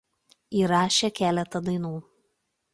Įrašė keletą dainų.